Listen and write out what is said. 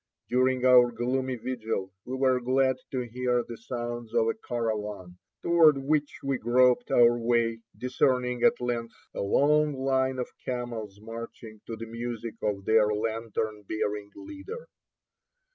During our gloomy vigil we were glad to hear the sounds of a caravan, toward which we groped our way, discerning, at length, a long line of camels marching to the music of their lantern bearing leader.